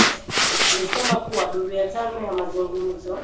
alisema kuwa duru ya tano ya mazungumzo